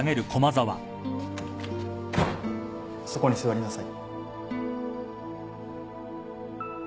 そこに座りなさい。